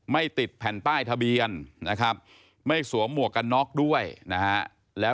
ไม่ติดแผ่นป้ายทะเบียนนะครับไม่สวมหมวกกันน็อกด้วยนะฮะแล้ว